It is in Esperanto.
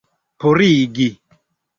purigi